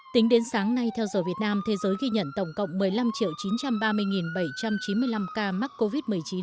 tính đến sáng nay theo giờ việt nam thế giới ghi nhận tổng cộng một mươi năm chín trăm ba mươi bảy trăm chín mươi năm ca mắc covid một mươi chín